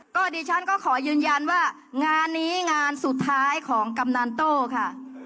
ก็ดิฉันก็ขอยืนยันว่างานนี้งานสุดท้ายของกำนันโต้ค่ะ